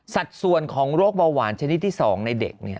สัดส่วนของโรคเบาหวานชนิดที่๒ในเด็ก